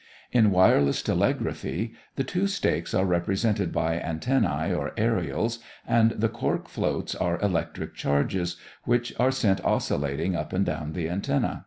In wireless telegraphy the two stakes are represented by antennæ or aërials and the cork floats are electric charges which are sent oscillating up and down the antennæ.